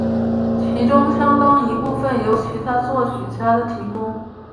其中相当一部分由其他作曲家的提供。